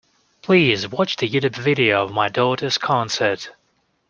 Please watch the Youtube video of my daughter's concert